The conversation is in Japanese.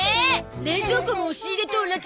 冷蔵庫も押し入れと同じなの？